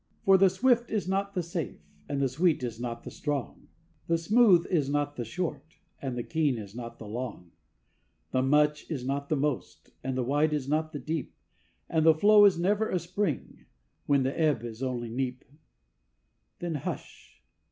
For the swift is not the safe, and the sweet is not the strong; The smooth is not the short, and the keen is not the long; The much is not the most, and the wide is not the deep, And the flow is never a spring, when the ebb is only neap. Then, hush!